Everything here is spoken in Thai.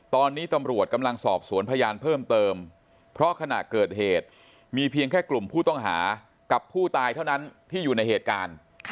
ตอนนี้ตำรวจกำลังสอบสวนพยานเพิ่มเติมเพราะขณะเกิดเหตุมีเพียงแค่กลุ่มผู้ต้องหากับผู้ตายเท่านั้นที่อยู่ในเหตุการณ์